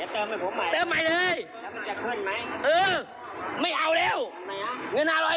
เติมใหม่เลย